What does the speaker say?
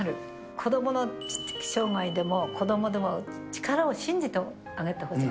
子どもの知的障がいでも、子どもでも力を信じてあげてほしい。